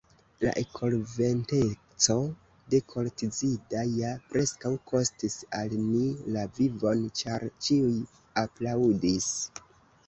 La elokventeco de Koltzida ja preskaŭ kostis al ni la vivon, ĉar ĉiuj aplaŭdis.